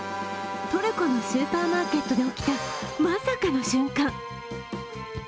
トルコのスーパーマーケットで起きた、まさかの瞬間。